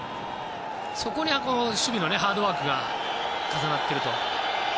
そこに守備のハードワークが重なってると。